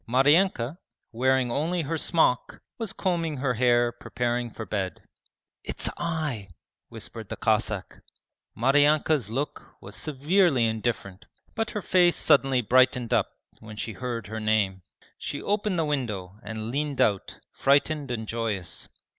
Maryanka, wearing only her smock, was combing her hair preparing for bed. 'It's I ' whispered the Cossack. Maryanka's look was severely indifferent, but her face suddenly brightened up when she heard her name. She opened the window and leant out, frightened and joyous.